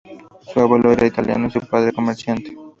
Su abuelo era italiano y su padre comerciante.